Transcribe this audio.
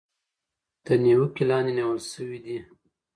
تر نېوکې لاندې نيول شوي دي.